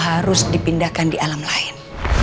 harus dipindahkan di alam lain